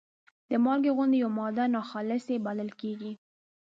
د مالګې غوندې یوه ماده ناخالصې بلل کیږي.